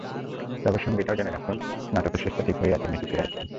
তবে সঙ্গে এটাও জেনে রাখুন, নাটকের শেষটা ঠিক হয়েই আছে—মেসি ফিরে আসবেন।